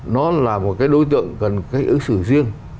nó là một cái đối tượng cần cách ứng xử riêng